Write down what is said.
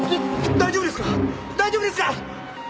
大丈夫ですか？